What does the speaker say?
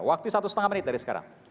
waktu satu setengah menit dari sekarang